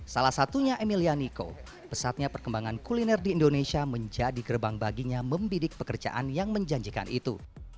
salah satunya emilia niko pesatnya perkembangan kuliner di indonesia menjadi gerbang baginya membidik pekerjaan yang menjanjikan itu